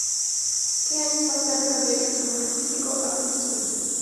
Que años más tarde cambiaría su nombre artístico a Princess Princess.